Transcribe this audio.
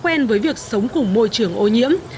quen với việc sống cùng môi trường ô nhiễm